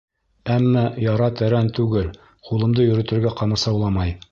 Әммә яра тәрән түгел, ҡулымды йөрөтөргә ҡамасауламай.